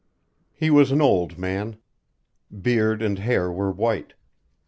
XVII He was an old man. Beard and hair were white.